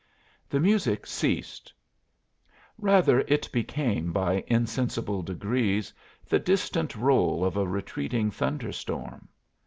The music ceased; rather, it became by insensible degrees the distant roll of a retreating thunder storm.